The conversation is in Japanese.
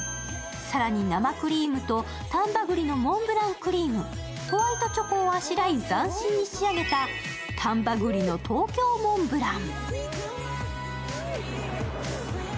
更に生クリームと丹波栗のモンブランクリーム、ホワイトチョコをあしらい斬新に仕上げた丹波栗の東京モンブラン。